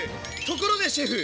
ところでシェフ。